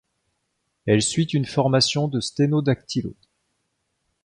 Elle suit une formation de sténodactylo.